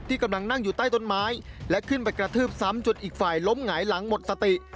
กำลังนั่งอยู่ใต้ต้นไม้และขึ้นไปกระทืบซ้ำจนอีกฝ่ายล้มหงายหลังหมดสติ